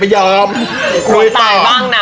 อย่าไปยอม